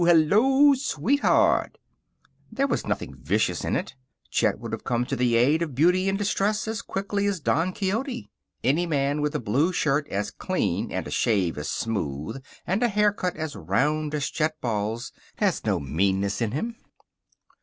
Hello, sweetheart!" There was nothing vicious in it. Chet would have come to the aid of beauty in distress as quickly as Don Quixote. Any man with a blue shirt as clean and a shave as smooth and a haircut as round as Chet Ball's has no meanness in him.